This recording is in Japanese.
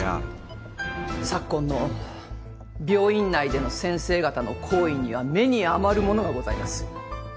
昨今の病院内での先生方の行為には目に余るものがございます。